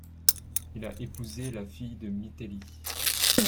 Il a épousé la fille de Mitelli.